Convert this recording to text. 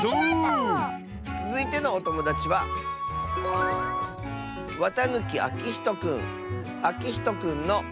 つづいてのおともだちはあきひとくんの。